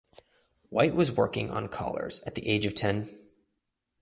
White was working on collars at the age of ten.